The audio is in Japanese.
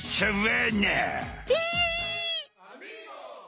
え！